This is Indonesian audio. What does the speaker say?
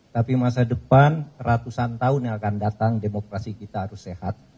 tapi masa depan ratusan tahun yang akan datang demokrasi kita harus sehat